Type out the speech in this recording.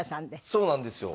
そうなんですよ